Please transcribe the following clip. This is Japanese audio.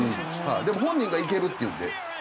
でも本人がいけるって言うんで。